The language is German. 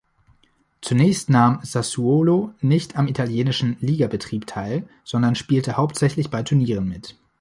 Zunächst nahm Sassuolo nicht am italienischen Ligabetrieb teil, sondern spielte hauptsächlich bei Turnieren mit.